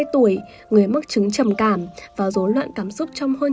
tôi cũng rất bận